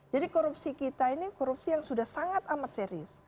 jadi korupsi kita ini korupsi yang sudah sangat amat serius